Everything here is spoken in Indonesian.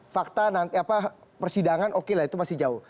fakta persidangan oke lah itu masih jauh